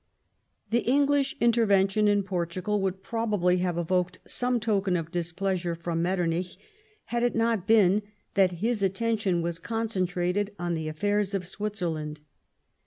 The English intervention in Portugal would probably have evoked some token of displeasure from Met temich, had it not been that his attention was con centrated on the affairs of Switzerland.